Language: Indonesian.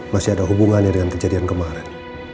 masih ada hubungannya dengan kejadian kemarin